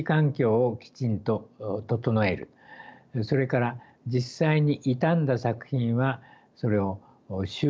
それから実際に傷んだ作品はそれを修復する。